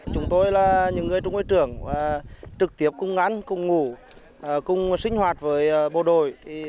chúng tôi là những người trung bộ trưởng trực tiếp cùng ăn cùng ngủ cùng sinh hoạt với bộ đội